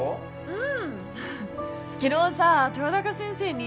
うん昨日さ豊高先生に